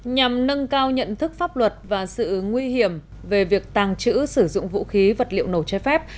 nhằm nâng cao nhận thức pháp luật và sự nguy hiểm về việc tàng trữ sử dụng vũ khí vật liệu nổ chai phép